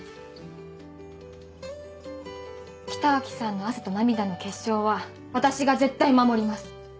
北脇さんの汗と涙の結晶は私が絶対守ります！